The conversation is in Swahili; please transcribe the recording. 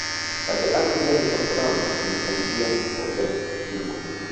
Katika ardhi yake kwa sababu zinachangia kwa kiasi kikubwa